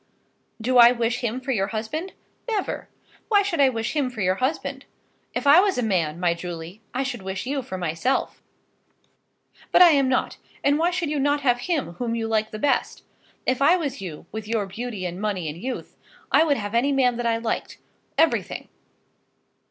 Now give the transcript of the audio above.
Do I wish him for your husband? Never! Why should I wish him for your husband? If I was a man, my Julie, I should wish you for myself. But I am not, and why should you not have him whom you like the best? If I was you, with your beauty and money and youth, I would have any man that I liked, everything.